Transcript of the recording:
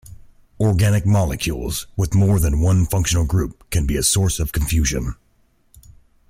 Organic molecules with more than one functional group can be a source of confusion.